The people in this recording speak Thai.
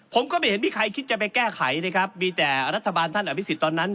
ผมก็ไม่เห็นมีใครคิดจะไปแก้ไขนะครับมีแต่รัฐบาลท่านอภิษฎตอนนั้น